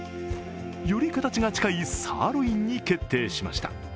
より形が近いサーロインに決定しました。